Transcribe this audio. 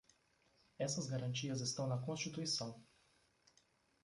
Essas garantias estão na Constituição.